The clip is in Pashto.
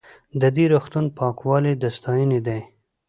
د دې روغتون پاکوالی د ستاینې دی.